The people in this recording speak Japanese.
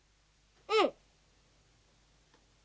うん。